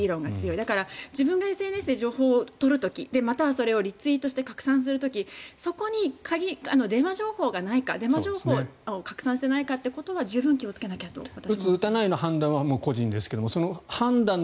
だから自分がＳＮＳで情報を得る時またはそれをリツイートして拡散する時そこにデマ情報がないか拡散していないか十分に注意する必要があると思います。